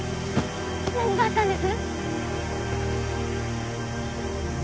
何があったんです？